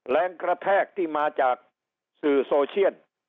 แรงกระแทกที่มาจากสื่อโซเชียล